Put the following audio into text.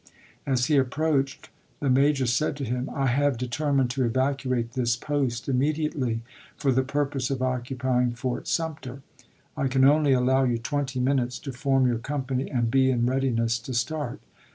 As he ap proached, the Major said to him, "I have deter mined to evacuate this post immediately, for the purpose of occupying Fort Sumter ; I can only allow you twenty minutes to form your company and be in readiness to start."